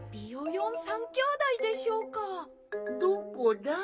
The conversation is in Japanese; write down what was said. どこだ？